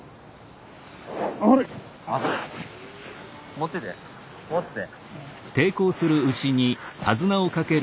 持ってて持ってて。